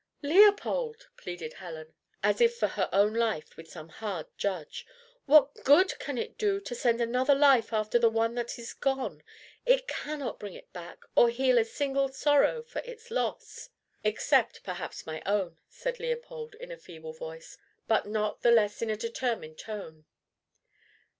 "Leopold!" pleaded Helen, as if for her own life with some hard judge, "what good can it do to send another life after the one that is gone? It cannot bring it back, or heal a single sorrow for its loss." "Except perhaps my own," said Leopold, in a feeble voice, but not the less in a determined tone.